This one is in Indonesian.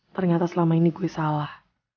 ternyata selama ini gue salah